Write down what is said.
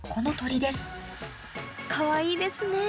かわいいですね！